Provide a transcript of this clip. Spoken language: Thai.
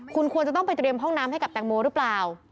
คุณควรจะต้องไปเตรียมห้องน้ำให้กับแตงโมหรือเปล่า